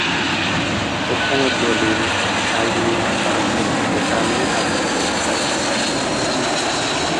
এখানে দাখিল, আলিম, ফাযিল ও কামিল হাদীস বিভাগ চালু আছে।।